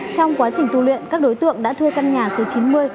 trong quá trình tu luyện các đối tượng đã thuê căn nhà số chín mươi